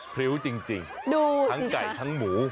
พริ้วจริงทั้งไก่ทั้งหมู